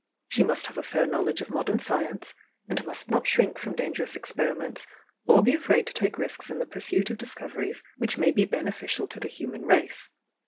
She must have a fair knowledge of modern science, and must not shrink from dan gerous experiments or be afraid to take risks in the Pureuit of discoveries which may be beneficial to the human race.